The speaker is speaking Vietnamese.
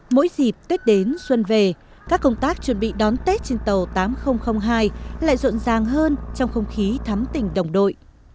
mỗi dịp tết đến xuân về các công tác chuẩn bị đón tết trên tàu tám nghìn hai lại rộn ràng hơn trong không khí thắm tình đồng đội